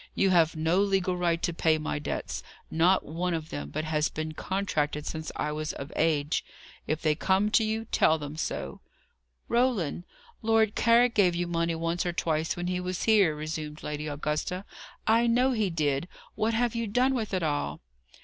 "You have no legal right to pay my debts. Not one of them but has been contracted since I was of age. If they come to you, tell them so." "Roland, Lord Carrick gave you money once or twice when he was here," resumed Lady Augusta, "I know he did. What have you done with it all?"